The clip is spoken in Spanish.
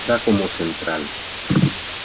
Juega como Central.